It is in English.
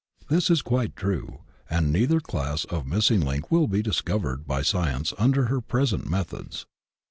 This is quite true, and neither class of missing link will be discovered by Science under her present methods.